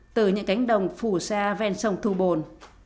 từ những cánh đồng phủ xa ven sông thu bồn